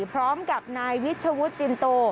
พร้อมกับนายวิชวุฒิจินโต